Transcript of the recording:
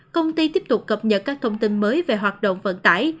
công ty tiếp tục cập nhật các thông tin mới về hoạt động vận tải